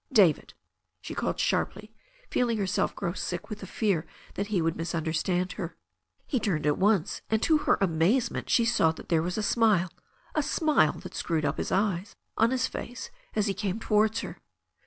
"David," she called sharply, feeling herself growing sick with the fear that he would misunderstand her. He turned at one, and to her amazement she saw that there was a smile — a smile that screwed up his eyes — on his face as he came towards her.